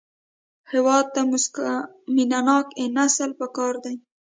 هېواد ته مینهناک نسل پکار دی